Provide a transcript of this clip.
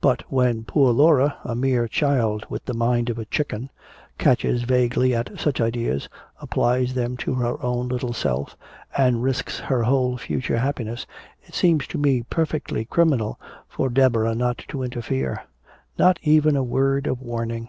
But when poor Laura a mere child with the mind of a chicken catches vaguely at such ideas, applies them to her own little self and risks her whole future happiness, it seems to me perfectly criminal for Deborah not to interfere! Not even a word of warning!"